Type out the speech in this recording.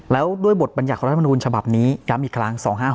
แล้วด้วยบทบรรยัติของรัฐมนูลฉบับนี้ย้ำอีกครั้ง๒๕๖๖